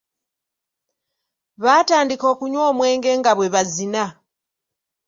Baatandika okunywa omwenge nga bwe bazina.